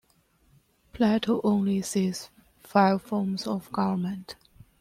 Plato only sees five forms of government.